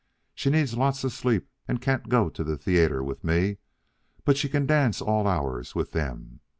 She needs lots of sleep and can't go to the theatre with me, but she can dance all hours with them.